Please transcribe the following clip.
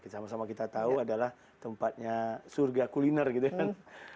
sama sama kita tahu adalah tempatnya surga kuliner gitu kan